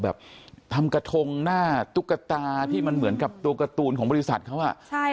แบบทำกระทงหน้าตุ๊กตาที่มันเหมือนกับตัวการ์ตูนของบริษัทเขาอ่ะใช่